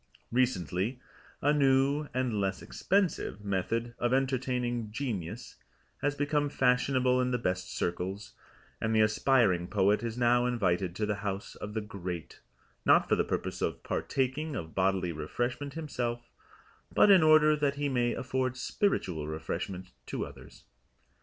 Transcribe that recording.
Recently a new (and less expensive) method of entertaining Genius has become fashionable in the best circles, and the aspiring poet is now invited to the house of the Great, not for the purpose of partaking of bodily refreshment himself, but in order that he may afford spiritual refreshment to others.